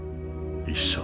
一生。